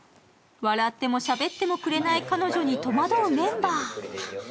笑っても、しゃべってもくれない彼女に戸惑うメンバー。